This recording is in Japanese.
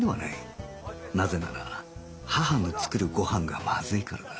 なぜなら母の作るご飯がまずいからだ